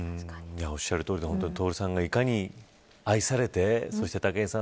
おっしゃるとおりで徹さんがいかに愛されてそして武井さん